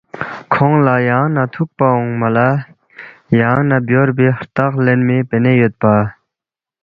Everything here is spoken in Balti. کھونگ لہ یانگ نہ تُھوکپا اونگما لہ یانگ نہ بیوربی ہرتخ لینمی پینے یودپا